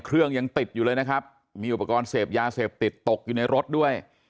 ยังติดอยู่เลยนะครับมีอุปกรณ์เสพยาเสพติดตกอยู่ในรถด้วย